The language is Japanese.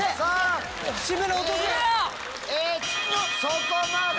そこまで！